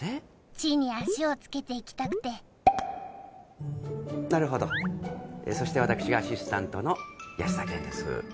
地に足をつけて生きたくてなるほどそして私がアシスタントの安田顕です